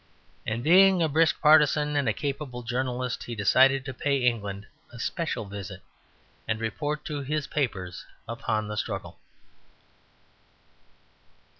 And being a brisk partisan and a capable journalist, he decided to pay England a special visit and report to his paper upon the struggle.